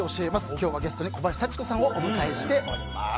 今日はゲストに小林幸子さんをお迎えしております。